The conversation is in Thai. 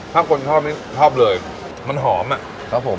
ถ้าคนชอบไม่ชอบเลยมันหอมอ่ะครับผม